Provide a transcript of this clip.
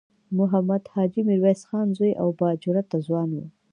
محمود حاجي میرویس خان زوی او با جرئته ځوان و.